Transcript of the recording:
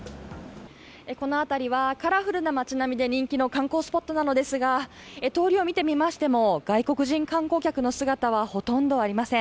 この辺りは、カラフルな町並みで人気の観光スポットなのですが、通りを見てみましても、外国人観光客の姿はほとんどありません。